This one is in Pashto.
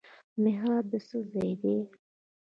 محراب د څه ځای دی؟